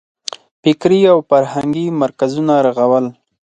فکري او فرهنګي مرکزونه رغول.